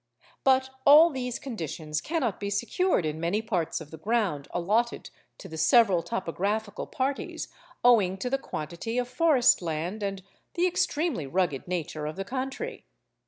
But all these conditions cannot be secured in many parts of the ground allotted to the several topographical parties owing to the quantity of forest land and the extremely rugged nature of the country.